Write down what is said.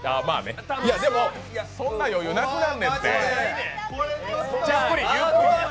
でも、そんな余裕なくなんねんて。